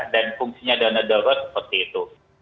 dan fungsinya dana darurat seperti itu